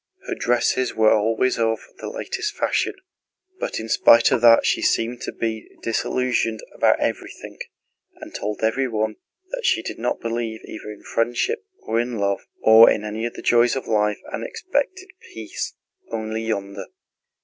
Her dresses were always of the latest fashion. But in spite of that she seemed to be disillusioned about everything and told everyone that she did not believe either in friendship or in love, or any of the joys of life, and expected peace only "yonder."